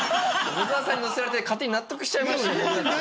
小沢さんにのせられて勝手に納得しちゃいましたもんねだって。